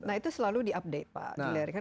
nah itu selalu diupdate pak